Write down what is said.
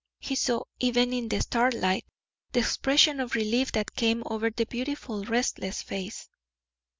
He saw, even in the starlight, the expression of relief that came over the beautiful, restless face.